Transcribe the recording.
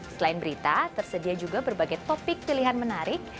selain berita tersedia juga berbagai topik pilihan menarik